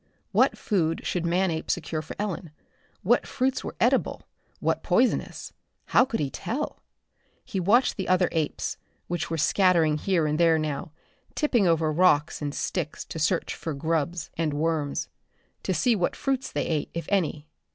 What food should Manape secure for Ellen? What fruits were edible, what poisonous? How could he tell? He watched the other apes, which were scattering here and there now, tipping over rocks and sticks to search for grubs and worms to see what fruits they ate, if any.